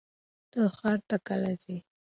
ته ښار ته کله ځې؟